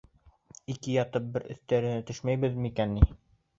Ике ятып бер иҫтәренә төшмәйбеҙме икән ни?